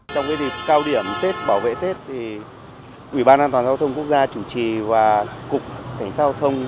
trong cái điểm cao điểm tết bảo vệ tết thì ủy ban an toàn giao thông quốc gia chủ trì và cục thành giao thông